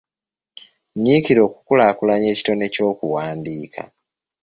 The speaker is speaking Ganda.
Nyiikira okukulaakulanya ekitone ky'okuwandiika.